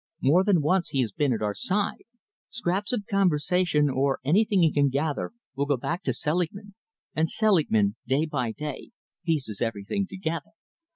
More than once he has been at our side. Scraps of conversation, or anything he can gather, will go back to Selingman, and Selingman day by day pieces everything together.